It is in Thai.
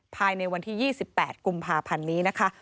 ภายในวันที่๒๘กุมภาพันธ์นี้นะคะ